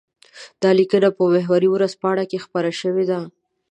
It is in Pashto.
دا ليکنه په محور ورځپاڼه کې خپره شوې ده.